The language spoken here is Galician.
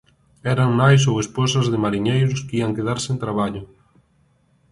Eran nais ou esposas de mariñeiros que ían quedar sen traballo!